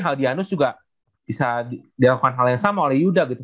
hal dianus juga bisa dilakukan hal yang sama oleh yuda gitu